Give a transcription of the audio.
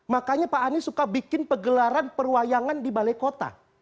makanya pak anies suka bikin pegelaran perwayangan di balai kota